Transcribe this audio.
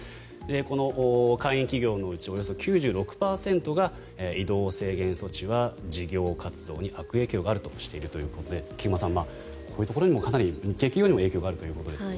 この会員企業のうちおよそ９６％が移動制限措置は事業活動に悪影響があるとしたうえで菊間さん、こういうところにも日系企業にも影響があるということです。